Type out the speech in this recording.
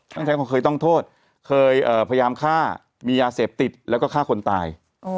ตั้งแต่ว่าเคยต้องโทษเคยเอ่อพยายามฆ่ามียาเสพติดแล้วก็ฆ่าคนตายอ๋อ